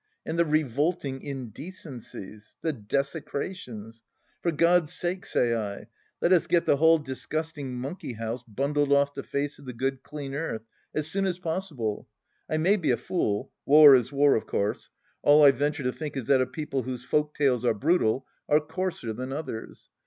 And the revolting indecencies 1 The desecra tions 1 For God's sake, say I, let us get the whole disgusting monkey house bundled off the face of the good, clean earth as soon as possible 1 I may be a fool ... war is war, of course. All I venture to think is that a people whose folk tales are brutal are coarser than others.